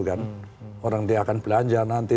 kan orang dia akan belanja nanti